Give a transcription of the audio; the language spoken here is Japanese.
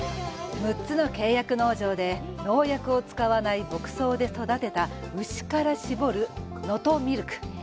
６つの契約牧場で農薬を使わない牧草で育てた牛から搾る能登ミルク。